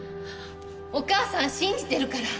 お母さん信じてるから！